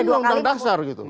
ini undang undang dasar gitu